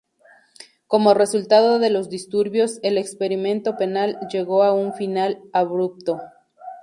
Como resultado de los disturbios, el experimento penal llegó a un final abrupto.